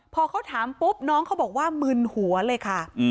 พอเขาถามปุ๊บน้องเขาบอกว่ามึนหัวเลยค่ะ